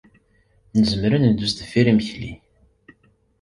Nezmer ad neddu sdeffir yimekli.